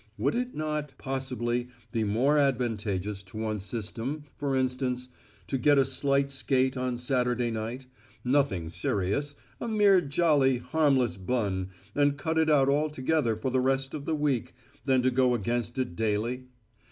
Would it not, possibly, be more advantageous to one's system, for instance, to get a slight skate on Saturday night, nothing serious, a mere jolly, harmless bun, and cut it out altogether for the rest of the week, than to go against it daily?